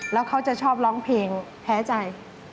แล้วเขาจะชอบร้องเพลงแพ้ใจ